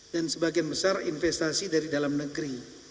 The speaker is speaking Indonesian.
dan sebagian besar investasi dari dalam negeri